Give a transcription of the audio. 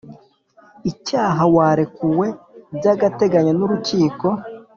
icyaha warekuwe by agateganyo n urukiko